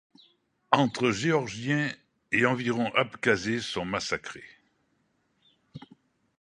Entre et Géorgiens et environ Abkhazes sont massacrés.